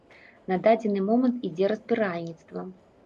На дадзены момант ідзе разбіральніцтва.